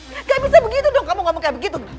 nggak bisa begitu dong kamu ngomong kayak begitu